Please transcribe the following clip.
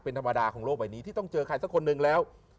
เป็นธรรมดาของโลกใบนี้ที่ต้องเจอใครสักคนหนึ่งแล้ว